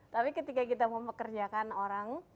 tapi ketika kita mempekerjakan orang